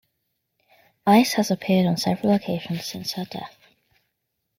Ice has appeared on several occasions since her death.